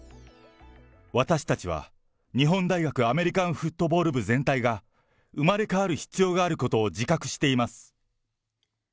私たちは日本大学アメリカンフットボール部全体が生まれ変わる必要があることを自覚しています。